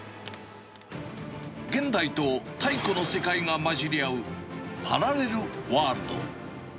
現代と太古の世界が混じり合うパラレルワールド。